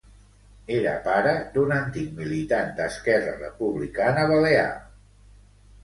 Era pare d'un antic militant d'Esquerra Republicana Balear.